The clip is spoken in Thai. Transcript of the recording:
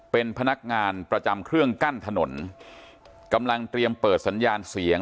เป็นพนักงานประจำเครื่องกั้นถนนกำลังเตรียมเปิดสัญญาณเสียง